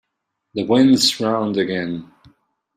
The wind's round again.